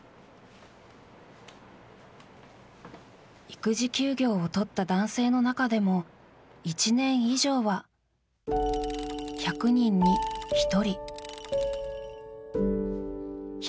育児休業をとった男性の中でも１年以上は１００人に１人。